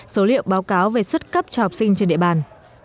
số liệu báo cáo về xuất cấp cho học sinh trên địa bàn